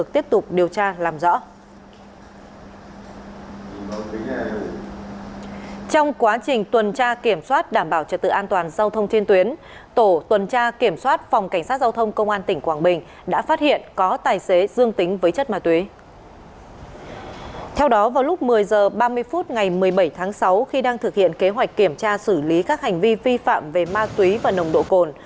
theo đó vào lúc một mươi h ba mươi phút ngày một mươi bảy tháng sáu khi đang thực hiện kế hoạch kiểm tra xử lý các hành vi vi phạm về ma túy và nồng độ cồn